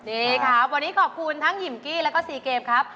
นี่ครับวันนี้ขอบคุณทั้งหยิมกี้แล้วก็ซีเกมครับ